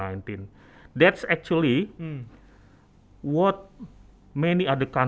itu sebenarnya yang tidak ada di banyak negara lain